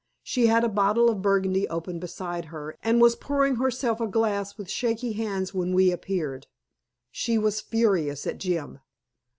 She had a bottle of burgundy open beside her, and was pouring herself a glass with shaking hands when we appeared. She was furious at Jim.